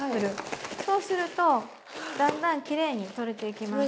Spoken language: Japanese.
そうするとだんだんきれいに取れていきます。